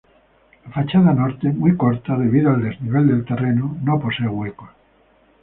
La fachada norte, muy corta debido al desnivel del terreno, no posee huecos.